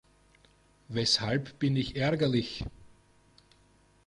Weshalb bin ich ärgerlich?